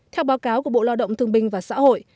theo báo cáo của bộ lao động thương binh và xã hội